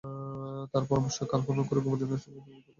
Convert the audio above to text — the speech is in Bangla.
তাঁর পরামর্শ, খাল খনন করে গোমতী নদীর সঙ্গে সংযোগ করতে হবে।